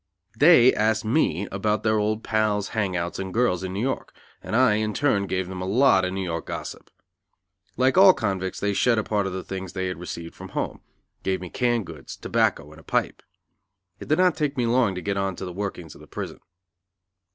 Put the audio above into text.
They asked me about their old pals, hang outs and girls in New York, and I, in turn gave them a lot of New York gossip. Like all convicts they shed a part of the things they had received from home, gave me canned goods, tobacco and a pipe. It did not take me long to get on to the workings of the prison.